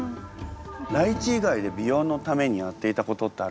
ライチ以外で美容のためにやっていたことってあるんですか？